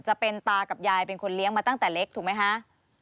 จะเป็นตากับยายเป็นคนเลี้ยงมาตั้งแต่เล็กถูกไหมคะ